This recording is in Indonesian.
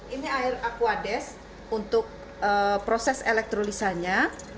ini air aquades untuk proses elektrolisanya